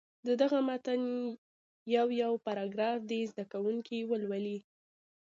د دغه متن یو یو پاراګراف دې زده کوونکي ولولي.